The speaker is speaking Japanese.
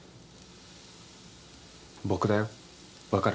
僕だよ分かる？